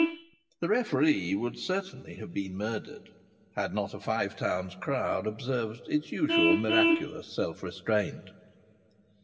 the referee would certainly have been murdered had not a Five Towns crowd observed its usual miraculous self restraint.